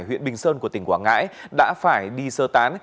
huyện bình sơn của tỉnh quảng ngãi đã phải đi sơ tán